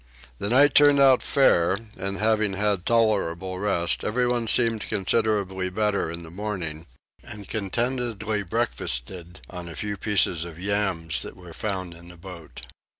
The night turned out fair and, having had tolerable rest, everyone seemed considerably better in the morning, and contentedly breakfasted on a few pieces of yams that were found in the boat.